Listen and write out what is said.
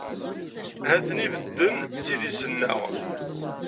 Ha-ten-i bedden s idis-nneɣ.